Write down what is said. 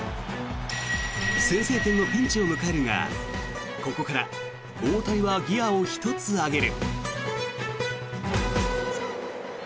先制点のピンチを迎えるがここから大谷はギアを１つ上げる。